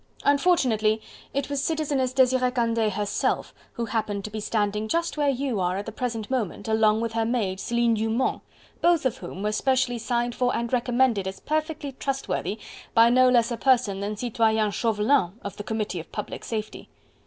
Unfortunately it was Citizeness Desiree Candeille herself who happened to be standing just where you are at the present moment, along with her maid, Celine Dumont, both of whom were specially signed for and recommended as perfectly trustworthy, by no less a person than Citoyen Chauvelin of the Committee of Public Safety."